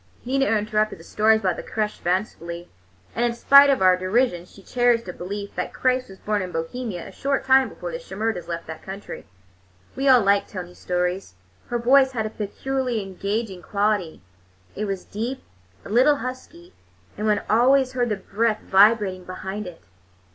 Nina interpreted the stories about the crêche fancifully, and in spite of our derision she cherished a belief that Christ was born in Bohemia a short time before the Shimerdas left that country. We all liked Tony's stories. Her voice had a peculiarly engaging quality; it was deep, a little husky, and one always heard the breath vibrating behind it.